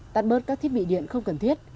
tắt bớt các thiết bị điện không cần thiết